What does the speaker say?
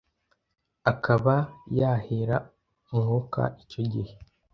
akaba yahera umwuka icyo gihe.